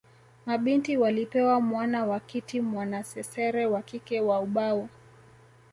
Mabinti walipewa mwana wa kiti mwanasesere wa kike wa ubao